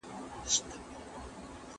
راستي کمي نه لري.